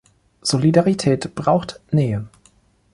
Solidarität braucht Nähe.